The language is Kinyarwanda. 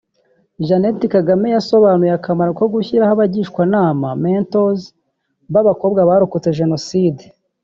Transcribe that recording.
Jeannette Kagame yasobanuye akamaro ko gushyiraho abagishwanama (mentors) b’abakobwa barokotse Jenoside